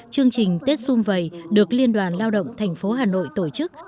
chương trình tết xung vầy được liên đoàn lao động thành phố hà nội tổ chức